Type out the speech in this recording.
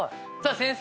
先生